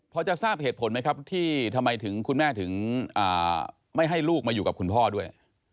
พอจะทราบเหตุผลไหมครับที่ทำไมถึงคุณแม่ถึงไม่ให้ลูกมาอยู่กับคุณพ่อด้วย